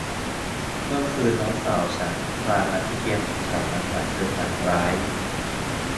เมื่อคืนน้องสาวฉันคลานมาที่เตียงของฉันหลังจากเธอฝันร้าย